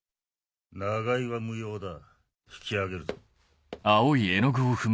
長居は無用だ引き揚げるぞ。